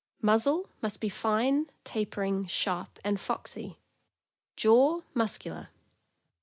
Muzzle must be fine, tapering, sharp, and foxy. Jaw muscular.